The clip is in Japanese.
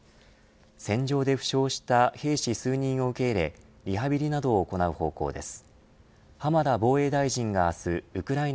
戦場で負傷した兵士数人を受け入れリハビリなどを行う方向です。